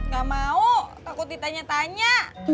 gak mau takut ditanya tanya